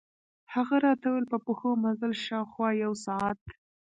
هغه راته ووېل په پښو مزل، شاوخوا یو ساعت.